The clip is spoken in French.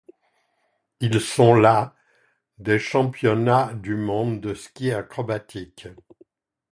Ils sont la des Championnats du monde de ski acrobatique.